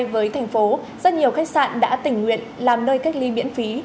với thành phố rất nhiều khách sạn đã tình nguyện làm nơi cách ly miễn phí